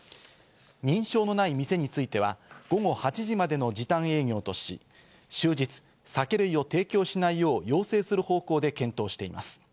認証のない店については午後８時までの時短営業とし、終日、酒類を提供しないよう要請する方向で検討しています。